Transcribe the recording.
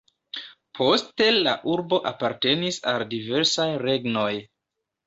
Poste la urbo apartenis al diversaj regnoj.